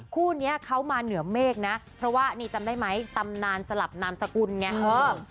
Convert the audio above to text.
คู่นี้เขามาเหนือเมฆนะเพราะว่านี่จำได้ไหมตำนานสลับนามสกุลไงเออ